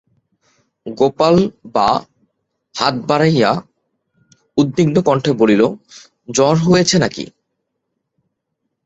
গোপাল বা হাত বাড়াইয়া উদ্বিগ্নকণ্ঠে বলিল, জ্বর হয়েছে নাকি?